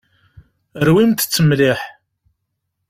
Rwimt-tt mliḥ.